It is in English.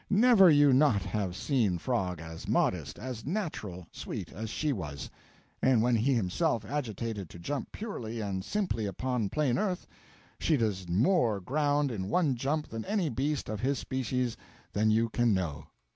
Never you not have seen frog as modest, as natural, sweet as she was. And when he himself agitated to jump purely and simply upon plain earth, she does more ground in one jump than any beast of his species than you can know.